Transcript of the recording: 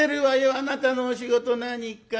あなたのお仕事何か。